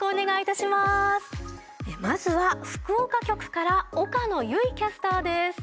まずは福岡局から岡野唯キャスターです。